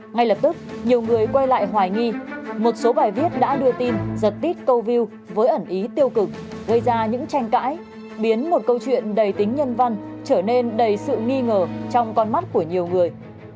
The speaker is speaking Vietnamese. ngay lập tức nhiều người quay lại hoài nghi một số bài viết đã đưa tin giật tít câu view với ẩn ý tiêu cực gây ra những tranh cãi biến một câu chuyện đầy tính nhân văn trở nên đầy sự nghi ngờ trong con mắt của nhiều người